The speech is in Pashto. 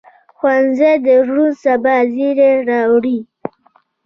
ښوونځی د روڼ سبا زېری راوړي